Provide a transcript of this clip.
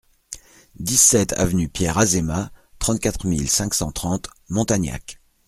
dix-sept avenue Pierre Azéma, trente-quatre mille cinq cent trente Montagnac